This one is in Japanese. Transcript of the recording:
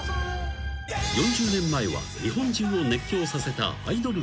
［４０年前は日本中を熱狂させたアイドル選手］